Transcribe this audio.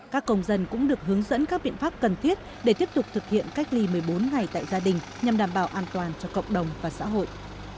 các công dân cũng được hướng dẫn các biện pháp cần thiết để tiếp tục thực hiện cách ly một mươi bốn ngày tại gia đình nhằm đảm bảo an toàn cho cộng đồng và xã hội